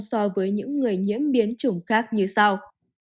so với những người nhiễm biến chủng khác như sau